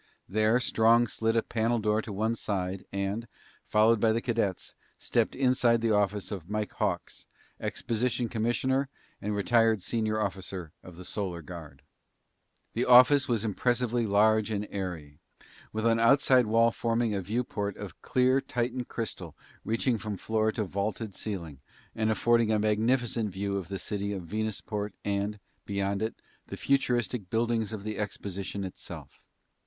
There, Strong slid a panel door to one side, and, followed by the cadets, stepped inside the office of Mike Hawks, exposition commissioner and retired senior officer of the Solar Guard. The office was impressively large and airy, with an outside wall forming a viewport of clear Titan crystal reaching from floor to vaulted ceiling and affording a magnificent view of the city of Venusport and, beyond it, the futuristic buildings of the exposition itself.